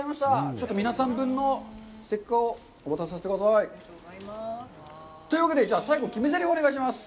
ちょっと皆さん分のステッカーをお渡しさせてください。というわけで、最後、決めぜりふをお願いします。